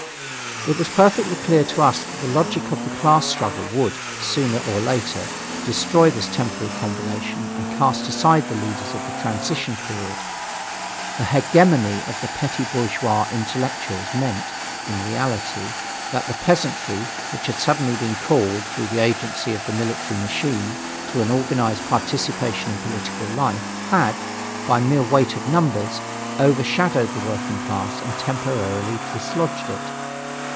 It was perfectly clear to us that the logic of the class struggle would, sooner or later, destroy this temporary combination and cast aside the leaders of the transition period. The hegemony of the petty bourgeois intellectuals meant, in reality, that the peasantry, which had suddenly been called, through the agency of the military machine, to an organized participation in political life, had, by mere weight of numbers, overshadowed the working class and temporarily dislodged it.